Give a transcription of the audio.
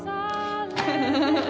フフフフ。